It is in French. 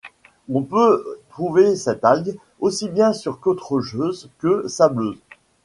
On peut trouver cette algue aussi bien sur côte rocheuse que sableuse.